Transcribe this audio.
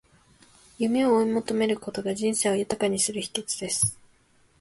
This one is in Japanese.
夢を追い求めることが、人生を豊かにする秘訣です。